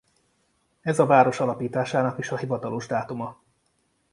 Ez a város alapításának is a hivatalos dátuma.